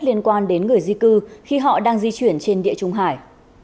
liên quan đến người di cư khi họ đang di chuyển trên địa trung hải